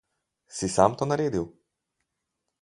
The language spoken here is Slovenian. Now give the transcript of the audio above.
Si sam to naredil?